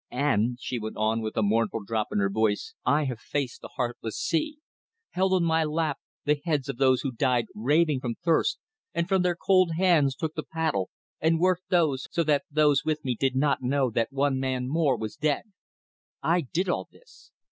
And," she went on, with a mournful drop in her voice, "I have faced the heartless sea, held on my lap the heads of those who died raving from thirst, and from their cold hands took the paddle and worked so that those with me did not know that one man more was dead. I did all this.